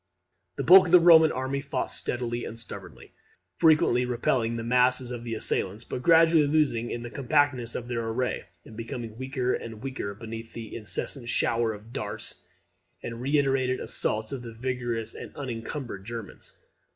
The bulk of the Roman army fought steadily and stubbornly, frequently repelling the masses of the assailants, but gradually losing the compactness of their array, and becoming weaker and weaker beneath the incessant shower of darts and the reiterated assaults of the vigorous and unencumbered Germans.